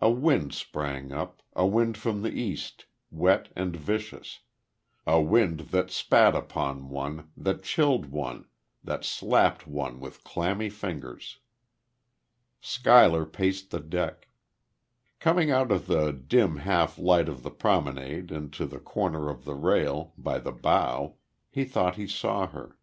A wind sprang up, a wind from the East, wet and vicious, a wind that spat upon one, that chilled one, that slapped one with clammy fingers. Schuyler paced the deck. Coming out of the dim half light of the promenade into the corner of the rail, by the bow, he thought he saw her.